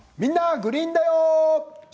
グリーンだよ」